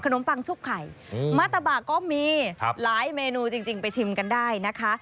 ขนมปังชุบไข่มะตะบากก็มีครับหลายเมนูจริงจริงไปชิมกันได้นะคะ